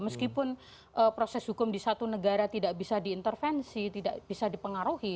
meskipun proses hukum di satu negara tidak bisa diintervensi tidak bisa dipengaruhi